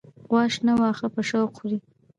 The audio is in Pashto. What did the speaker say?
غوا شنه واخه په شوق خوری